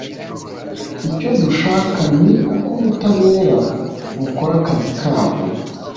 icyo dushaka ni uko ubutabera bukora akazi kabwo